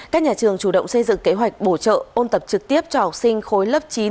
các nhà trường chủ động xây dựng kế hoạch bổ trợ ôn tập trực tiếp cho học sinh khối lớp chín